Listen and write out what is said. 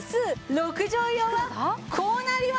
６畳用はこうなります。